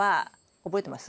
覚えてます？